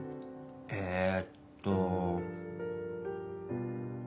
えっと。